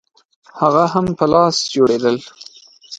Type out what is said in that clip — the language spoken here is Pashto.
هغه هم په لاس جوړېدل